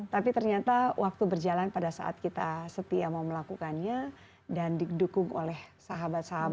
tapi ternyata waktu berjalan pada saat kita setia mau melakukannya dan didukung oleh sahabat sahabat